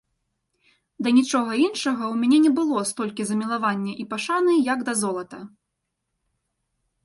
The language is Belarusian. Да нічога іншага ў мяне не было столькі замілавання і пашаны, як да золата.